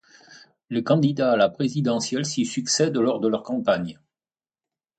Les candidats à la présidentielle s'y succèdent lors de leur campagne.